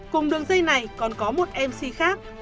cùng đường dây này còn có một mc khác